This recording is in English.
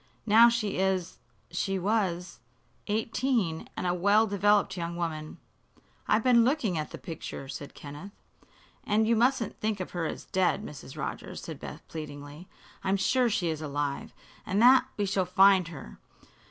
Now she is she was eighteen, and a well developed young woman." "I've been looking at the picture," said Kenneth. "And you mustn't think of her as dead, Mrs. Rogers," said Beth, pleadingly. "I'm sure she is alive, and that we shall find her.